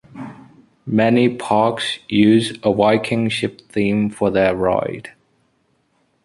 Many parks use a Viking Ship theme for their ride.